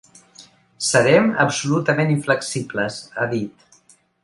Serem absolutament inflexibles, ha dit.